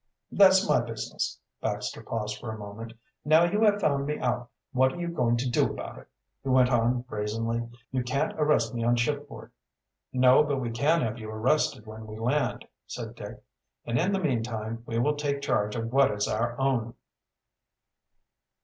"That's my business." Baxter paused for a moment. "Now you have found me out, what are you going to do about it?" he went on brazenly. "You can't arrest me on shipboard." "No, but we can have you arrested when we land," said Dick. "And in the meantime we will take charge of what is our own."